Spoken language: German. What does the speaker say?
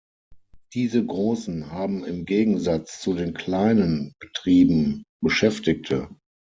Diese großen haben im Gegensatz zu den kleinen Betrieben Beschäftigte.